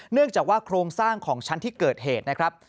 เนื่องจากว่าโครงสร้างของชั้นที่เกิดเหตุนะครับ